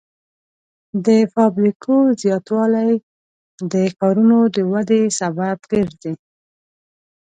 د فابریکو زیاتوالی د ښارونو د ودې سبب ګرځي.